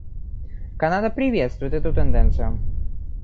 Канада приветствует эту тенденцию.